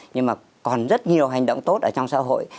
nhưng mà còn rất nhiều hành động tốt ở trong xã hội